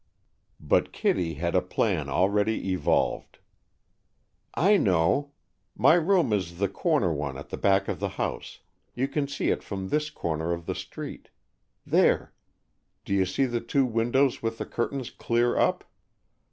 But Kittie had a plan already evolved. "I know. My room is the corner one at the back of the house, you can see it from this corner of the street. There, do you see the two windows with the curtains clear up?